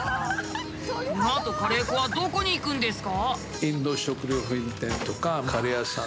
このあとカレー粉はどこに行くんですか？